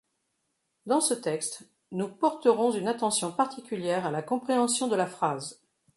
Dans ce texte, nous porterons une attention particulière à la compréhension de la phrase.